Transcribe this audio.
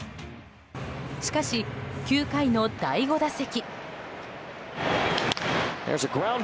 しかし、９回の第５打席。